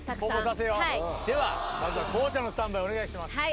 ではまずは紅茶のスタンバイお願いします。